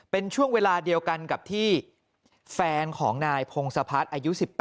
เป็นช่วงเวลาเดียวกันกับที่แฟนของนายพงศพัฒน์อายุ๑๘